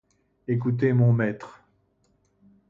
Écoutez, mon maître.